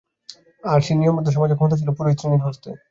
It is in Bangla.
আবার সেই নিয়মবদ্ধ সমাজে ক্ষমতা ছিল পুরোহিত-শ্রেণীর হস্তে।